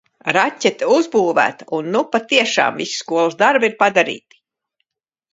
Raķete uzbūvēta, un nu patiešām visi skolas darbi ir padarīti.